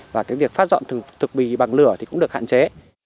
và cái việc phát dọn thực bì bằng lửa thì cũng được hạn chế